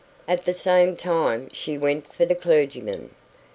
At the same time she sent for the clergyman.